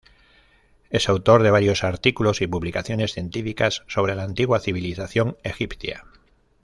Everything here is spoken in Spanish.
Es autor de varios artículos y publicaciones científicas sobre la antigua civilización egipcia.